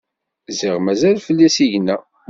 Ziɣ mazal fell-i asigna.